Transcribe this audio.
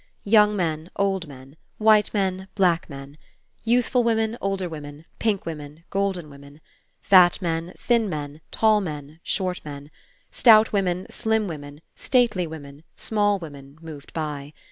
Young men, old men, white men, black men; youthful women, older women, pink women, golden women; fat men, thin men, tall men, short men; stout women, slim women, stately women, small women moved by.